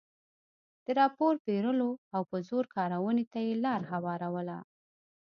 د رایو پېرلو او په زور کارونې ته یې لار هواروله.